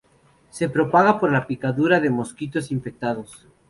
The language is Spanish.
Se propaga por la picadura de mosquitos infectados.